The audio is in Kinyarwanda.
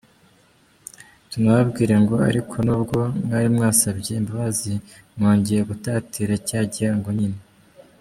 Tunababwire ngo ariko n’ubwo mwari mwasabye imbabazi, mwongeye gutatira cya gihango nyine.